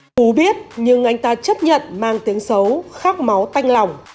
phú biết nhưng anh ta chấp nhận mang tiếng xấu khắc máu tanh lòng